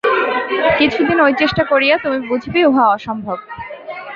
কিছুদিন ঐ চেষ্টা করিয়া তুমি বুঝিবে, উহা অসম্ভব।